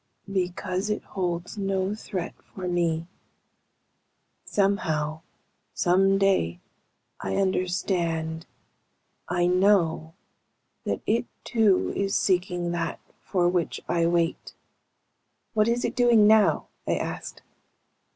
"Because it holds no threat for me. Somehow, someday, I understand I know that it too is seeking that for which I wait." "What is it doing now?" I asked.